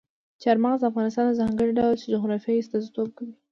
چار مغز د افغانستان د ځانګړي ډول جغرافیې استازیتوب کوي.